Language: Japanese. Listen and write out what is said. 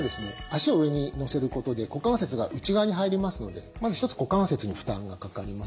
足を上にのせることで股関節が内側に入りますのでまず一つ股関節に負担がかかります。